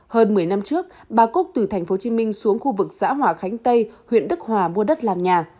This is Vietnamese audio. hơn một mươi năm trước bà cúc từ tp hcm xuống khu vực xã hòa khánh tây huyện đức hòa mua đất làm nhà